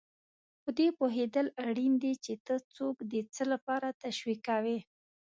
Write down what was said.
په دې پوهېدل اړین دي چې ته څوک د څه لپاره تشویقوې.